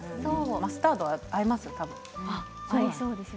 マスタードも合いますね。